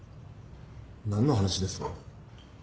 何の話です？